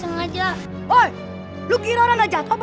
oh ini buat saya pak